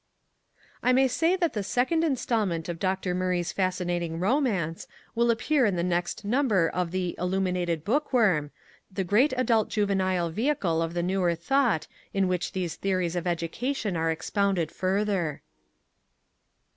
I may say that the second instalment of Dr. Murray's fascinating romance will appear in the next number of the "Illuminated Bookworm", the great adult juvenile vehicle of the newer thought in which these theories of education are expounded further.